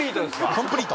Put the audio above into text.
コンプリート。